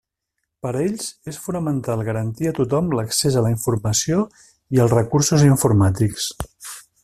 Per a ells és fonamental garantir a tothom l'accés a la informació i als recursos informàtics.